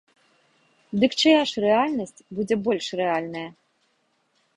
Дык чыя ж рэальнасць будзе больш рэальная?